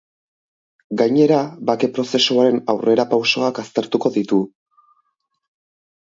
Gainera, bake prozesuaren aurrerapausoak aztertuko ditu.